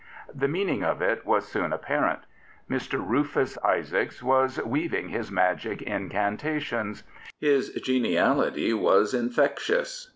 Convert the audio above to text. The meaning of it was soon apparent. Mr. Rufus Isaacs was* weaving his magic incantations. His geniality was infectious.